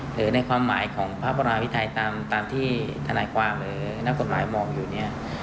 หรือในความหมายของพระบรมวิทัยตามที่ธนายความหรือนักกฎหมายมองอยู่เนี่ย